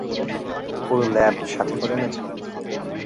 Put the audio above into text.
পুরো ল্যাব সাথে করে এনেছো?